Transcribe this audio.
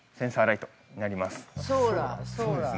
◆そうですね。